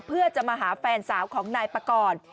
เพื่อจะมาหาแฟนสาวของนายปากร